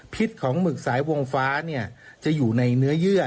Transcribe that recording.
ของหมึกสายวงฟ้าจะอยู่ในเนื้อเยื่อ